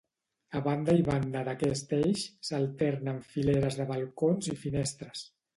A banda i banda d'aquest eix s'alternen fileres de balcons i finestres.